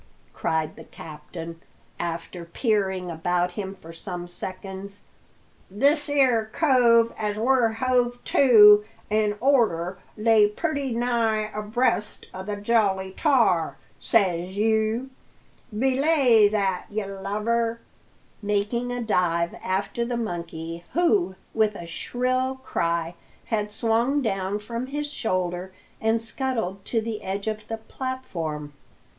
cried the captain, after peering about him for some seconds: "this 'ere cove as we're hove to in orter lay purty nigh abreast o' the Jolly Tar, says you. Belay that, ye lubber!" making a dive after the monkey, who, with a shrill cry, had swung down from his shoulder and scuttled to the edge of the platform.